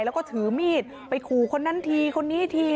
แล้วก็ถือมีดไปขู่คนนั้นทีคนนี้ที